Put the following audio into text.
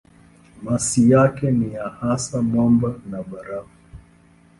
Masi yake ni hasa mwamba na barafu.